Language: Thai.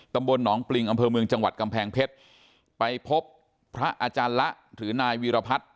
ตำบลหนองปริงอำเภอเมืองจังหวัดกำแพงเพชรไปพบพระอาจารย์ละหรือนายวีรพัฒน์